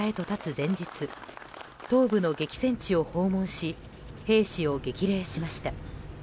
前日東部の激戦地を訪問し兵士を激励しました。